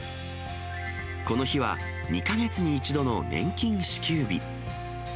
この日は、２か月に一度の年金支給日。